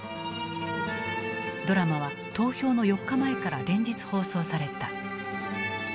ドラマは投票の４日前から連日放送された。